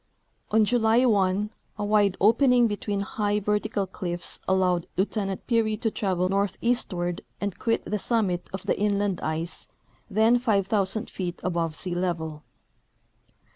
On July 1 a wide opening between high vertical cliffs allowed Lieutenant Peary to travel northeastward and quit the summit of the inland ice, then 5,000 feet above sea level.